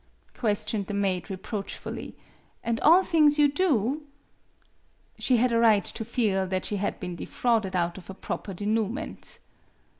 ques tioned the maid, reproachfully, " an' all things you do ?" She had a right to feel that she had been defrauded out of a proper denouement.